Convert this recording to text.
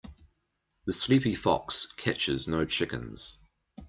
The sleepy fox catches no chickens.